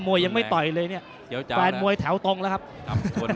วยยังไม่ต่อยเลยเนี่ยแฟนมวยแถวตรงแล้วครับ